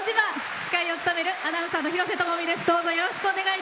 司会を務めるアナウンサーの廣瀬智美です。